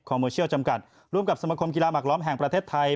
โมเชียลจำกัดร่วมกับสมคมกีฬาหักล้อมแห่งประเทศไทย